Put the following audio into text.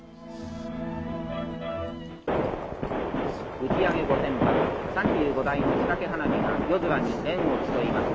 打ち上げ５０００発、３５台の仕掛け花火が夜空に宴を競います。